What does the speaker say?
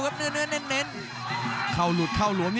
รับทราบบรรดาศักดิ์